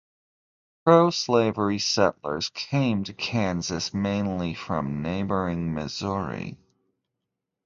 Pro-slavery settlers came to Kansas mainly from neighboring Missouri.